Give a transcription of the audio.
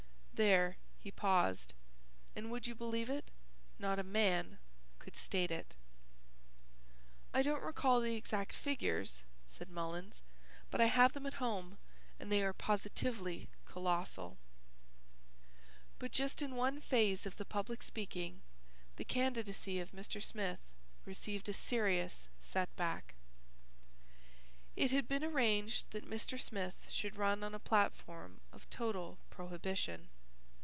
There he paused, and would you believe it, not a man could state it. "I don't recall the exact figures," said Mullins, "but I have them at home and they are positively colossal." But just in one phase of the public speaking, the candidacy of Mr. Smith received a serious set back. It had been arranged that Mr. Smith should run on a platform of total prohibition.